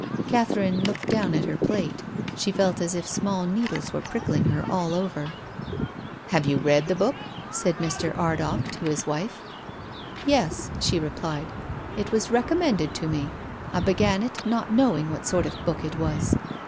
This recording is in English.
Catherine looked down at her plate. She felt as if small needles were pricking her all over. " Have you read the book ?" said Mr. Ardagh to his wife. " Yes," she replied. " It was recommended to me. I began it not knowing what sort of book it was.